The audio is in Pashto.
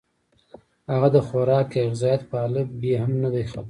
هغه د خوراک يا غذائيت پۀ الف ب هم نۀ دي خبر